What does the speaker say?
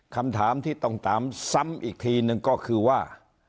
คำถามที่ต้องตามซ้ำอีกทีหนึ่งก็คือว่า